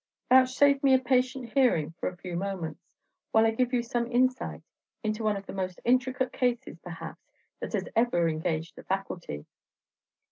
Vouchsafe me a patient hearing for a few moments, while I give you some insight into one of the most intricate cases, perhaps, that has ever engaged the faculty."